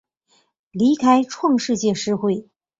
离开创世纪诗社。